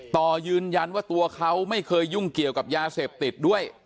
ต่อยืนยันว่าตัวเขาไม่เคยยุ่งเกี่ยวกับยาเสพติดด้วย